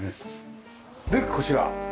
でこちら。